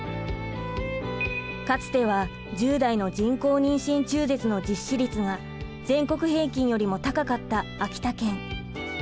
かつては１０代の人工妊娠中絶の実施率が全国平均よりも高かった秋田県。